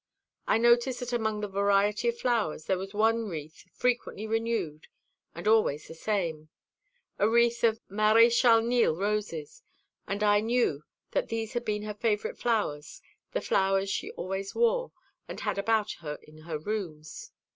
I noticed that among the variety of flowers there was one wreath frequently renewed, and always the same a wreath of Maréchal Niel roses and I knew that these had been her favourite flowers, the flowers she always wore, and had about her in her rooms.